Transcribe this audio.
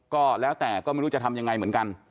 ก็แล้วแต่ก็ไม่รู้จะทำยังไงเหมือนกัน